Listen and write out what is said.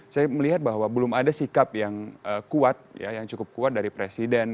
saya melihat bahwa belum ada sikap yang kuat yang cukup kuat dari presiden